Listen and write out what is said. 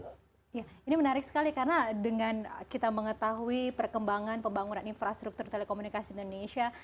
iya ini menarik sekali karena dengan kita mengetahui perkembangan pembangunan infrastruktur telekomunikasi indonesia